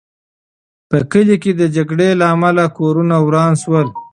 په کلي کې د جګړې له امله کورونه وران شول.